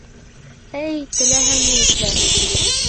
Эй, теләһәң ни эшлә!